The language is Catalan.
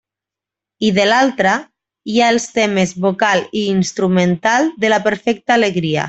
I de l'altra, hi ha els temes vocal i instrumental de la perfecta alegria.